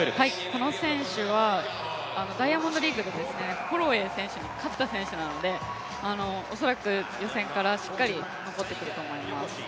この選手はダイヤモンドリーグでホロウェイ選手に勝った選手なので、恐らく予選からしっかり持ってくると思います。